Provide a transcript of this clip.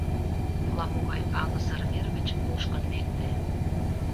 Ала-могай аҥысыр вер гыч нушкын лекте.